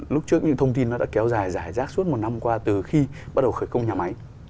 lúc trước những thông tin nó đã kéo dài dài rác suốt một năm qua từ khi bắt đầu khởi công nhà máy